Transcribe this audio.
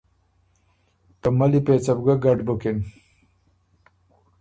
ته مَلّی پېڅه بو ګه ګډ بُکِن۔